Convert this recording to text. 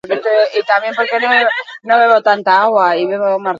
Hamar aldiz elkar ikusi dute bertan, eta bakoitzak bost garaipen poltsikoratu ditu.